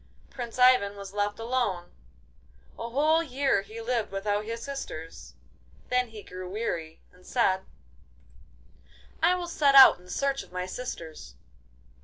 Prince Ivan was left alone. A whole year he lived without his sisters; then he grew weary, and said: 'I will set out in search of my sisters.